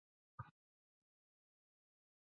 董昌因功补石镜镇将。